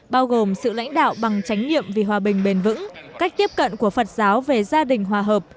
bao gồm sự lãnh đạo bằng trách nhiệm vì hòa bình bền vững cách tiếp cận của phật giáo về gia đình hòa hợp